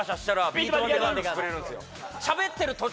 ビート板でガードしてくれるんですよ